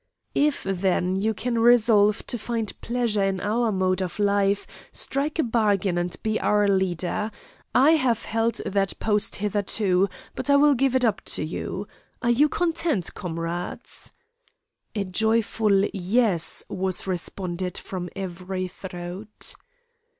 "'If, then, you can resolve to find pleasure in our mode of life, strike a bargain and be our leader. I have held that post hitherto, but I will give it up to you. Are you content, comrades.' "A joyful 'Yes!' was responded from every throat.